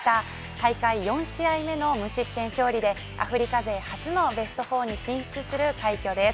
大会４試合目の無失点勝利でアフリカ勢初のベスト４に進出する快挙です。